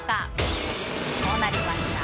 こうなりました。